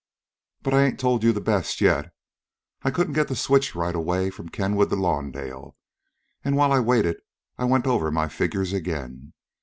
"But I ain't told you the best yet. I couldn't get the switch right away from Kenwood to Lawndale, and while I waited I went over my figures again.